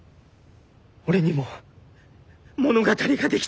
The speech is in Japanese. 俺にも物語が出来た。